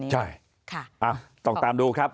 ใช่ต้องตามดูครับ